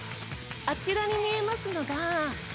あちらに見えますのが。